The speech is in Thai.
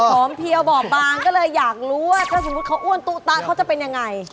เพียวบ่อบางก็เลยอยากรู้ว่าถ้าสมมุติเขาอ้วนตู้ตะเขาจะเป็นยังไง